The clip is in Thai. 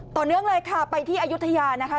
ต่อเนื่องเลยค่ะไปที่อายุทยานะคะ